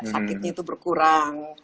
sakitnya itu berkurang